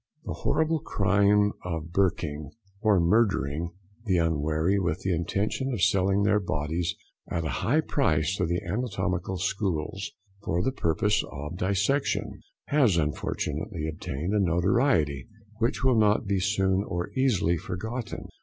The horrible crime of "Burking," or murdering the unwary with the intention of selling their bodies at a high price to the anatomical schools, for the purpose of dissection, has unfortunately obtained a notoriety which will not be soon or easily forgotten.